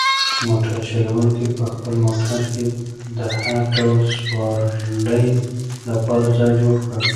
موټر چلونکي په خپل موټر کې د هر ډول سوارلۍ لپاره ځای جوړ کړ.